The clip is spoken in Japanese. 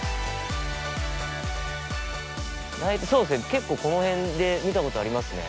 結構この辺で見たことありますね